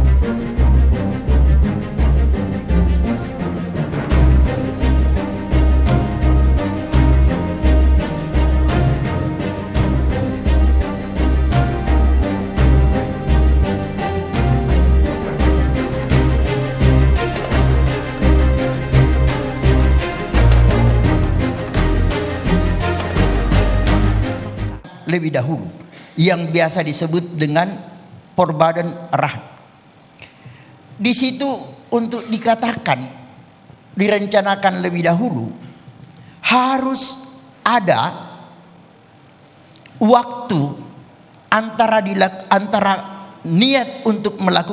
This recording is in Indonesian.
kripto tidak naham dan kripto